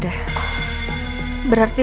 uh atau mungkinbreakup aja